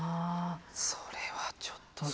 それはちょっと。